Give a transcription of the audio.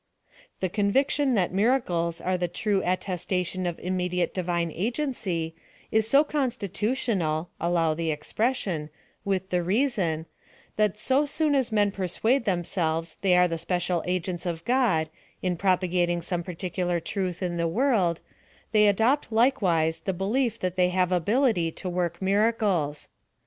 The conviction that miracles are the true attesta tion of immediate Divine agency, is so constitu tional (allow tl:e expression) with the reason, that so soon as men persuade themselves they are the special agents of God, in propagating some particu lar truth in the world, they adopt likewise the belief that they have ability to work miracles.